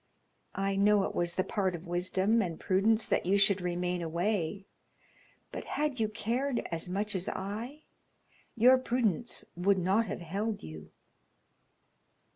I know it was the part of wisdom and prudence that you should remain away; but had you cared as much as I, your prudence would not have held you."